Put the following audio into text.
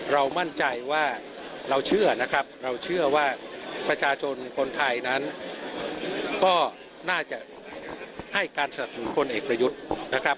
เรามั่นใจว่าเราเชื่อนะครับเราเชื่อว่าประชาชนคนไทยนั้นก็น่าจะให้การสนับสนุนพลเอกประยุทธ์นะครับ